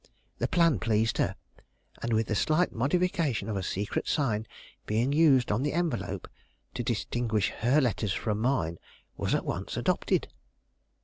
The plan pleased her, and with the slight modification of a secret sign being used on the envelope, to distinguish her letters from mine, was at once adopted.